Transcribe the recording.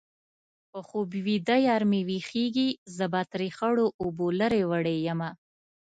په خوب ویده یار چې ويښېږي-زه به ترې خړو اوبو لرې وړې یمه